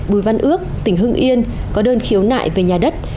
bùi văn ước tỉnh hưng yên có đơn khiếu nại về nhà đất